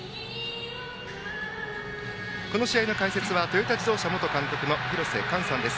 この試合の解説はトヨタ自動車元監督の廣瀬寛さんです。